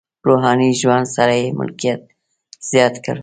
روحاني ژوند سره یې ملکیت زیات کړ.